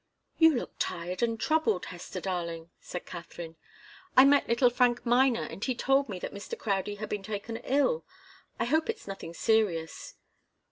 "You look tired and troubled, Hester darling," said Katharine. "I met little Frank Miner and he told me that Mr. Crowdie had been taken ill. I hope it's nothing serious?"